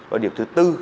và điểm thứ tư